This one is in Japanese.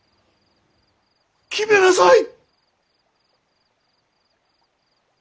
決めなさい。